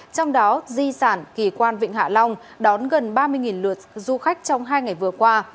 trong đó di sản kỳ quan vịnh hạ long đón gần ba mươi lượt du khách trong hai ngày vừa qua